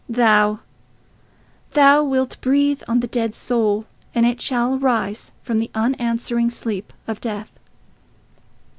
Thou—thou wilt breathe on the dead soul, and it shall arise from the unanswering sleep of death.